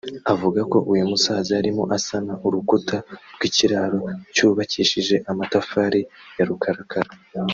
avuga ko uyu musaza yarimo asana urukuta rw’ikiraro cyubakishije amatafari ya rukarakara